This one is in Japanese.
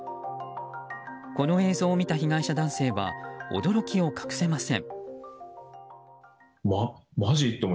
この映像を見た被害者男性は驚きを隠せません。